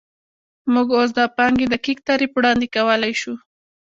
موږ اوس د پانګې دقیق تعریف وړاندې کولی شو